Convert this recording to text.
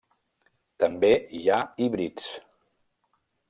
També hi ha híbrids.